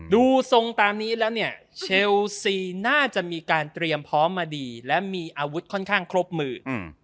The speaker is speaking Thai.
ดูทรงตามนี้แล้วเนี่ยเชลซีน่าจะมีการเตรียมพร้อมมาดีและมีอาวุธค่อนข้างครบมือ